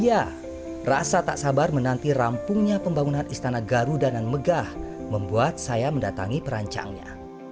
ya rasa tak sabar menanti rampungnya pembangunan istana garudanan megah membuat saya mendatangi perancangnya